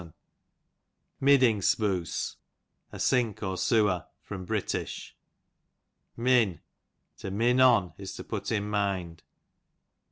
Middingspuce, a sink or sewer. Min, to min on, is to put in mind.